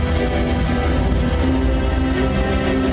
ใช่